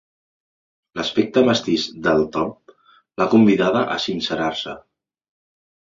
L'aspecte mestís del Tom l'ha convidada a sincerar-se.